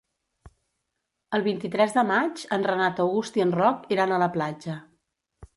El vint-i-tres de maig en Renat August i en Roc iran a la platja.